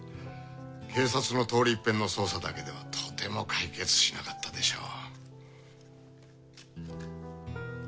警察の通りいっぺんの捜査だけではとても解決しなかったでしょう。